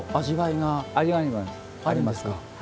味わいがあります。